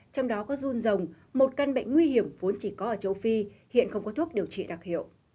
trong đó có run rồng một căn bệnh nguy hiểm vốn chỉ có ở châu phi hiện không có thuốc điều trị đặc hiệu